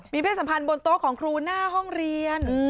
เพศสัมพันธ์บนโต๊ะของครูหน้าห้องเรียน